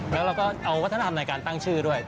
แล้วเราก็เอาวัฒนธรรมในการตั้งชื่อด้วย